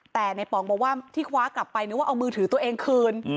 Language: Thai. แต่ในป๋องบอกว่าที่คว้ากลับไปนึกว่าเอามือถือตัวเองคืน